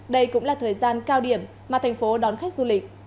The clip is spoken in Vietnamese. đây cũng là thời gian cao điểm mà thành phố đón khách du lịch